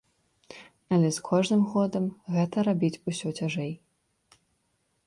Але з кожным годам гэта рабіць усё цяжэй.